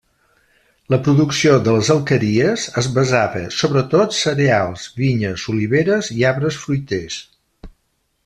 La producció de les alqueries es basava sobretot cereals, vinyes, oliveres i arbres fruiters.